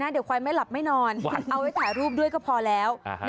เดี๋ยวควายไม่หลับไม่นอนเอาไว้ถ่ายรูปด้วยก็พอแล้ว